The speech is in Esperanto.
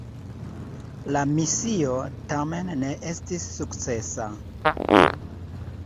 La misio tamen ne estis sukcesa.